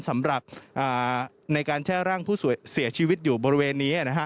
สำหรับในการแช่ร่างผู้เสียชีวิตอยู่บริเวณนี้